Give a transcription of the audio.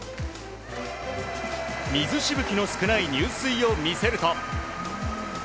水しぶきの少ない入水を見せると。